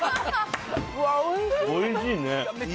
おいしいね。